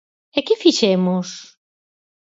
¿E que fixemos?